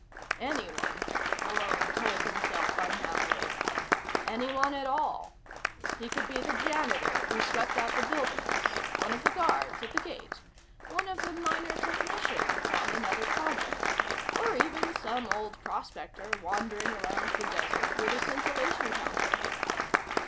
Anyone, Malone told himself unhappily. Anyone at all. He could be the janitor who swept out the buildings, one of the guards at the gate, one of the minor technicians on another project, or even some old prospector wandering around the desert with a scintillation counter.